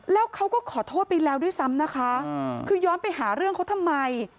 แล้วเขาก็ขอโทษไปแล้วด้วยซ้ำนะคะคือย้อนไปหาเรื่องเขาทำไม